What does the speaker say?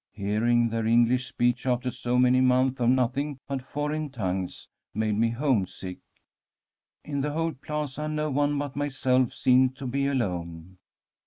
Hearing their English speech after so many months of nothing but foreign tongues made me homesick. In the whole plaza, no one but myself seemed to be alone.